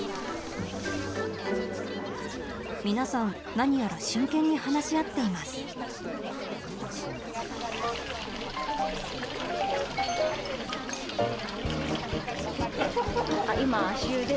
皆さん何やら真剣に話し合っています足湯。